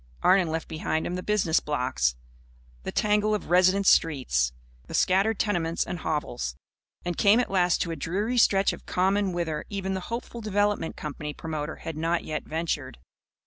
Arnon left behind him the business blocks, the tangle of residence streets, the scattered tenements and hovels; and came at last to a dreary stretch of Common whither even the hopeful development company promoter had not yet ventured.